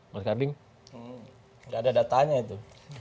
mas kading gak ada datanya itu